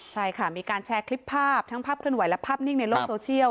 ใช่ค่ะมีการแชร์คลิปภาพทั้งภาพเคลื่อนไหวและภาพนิ่งในโลกโซเชียล